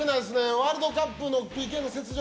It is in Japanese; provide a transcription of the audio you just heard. ワールドカップのＰＫの雪辱